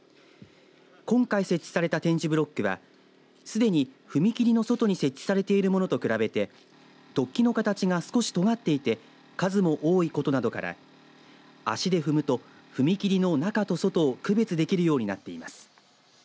今回設置された点字ブロックはすでに踏切の外に設置されているものと比べて突起の形が少しとがっていて数も多いことなどから足で踏むと踏切の中と外を区別できるようになっています。